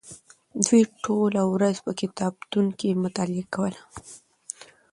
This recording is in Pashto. دوی ټوله ورځ په کتابتون کې مطالعه کوله.